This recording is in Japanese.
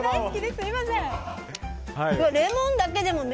すみません。